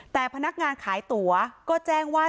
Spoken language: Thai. แต่พนักงานขายตั๋วก็แจ้งว่า